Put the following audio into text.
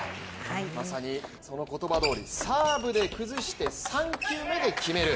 まさにその言葉どおりサーブで崩して３球目で決める。